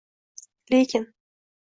Lekin…